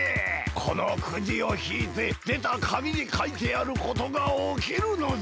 このくじをひいてでたかみにかいてあることがおきるのじゃ！